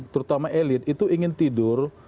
terutama elit itu ingin tidur